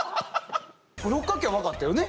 六角形は分かったよね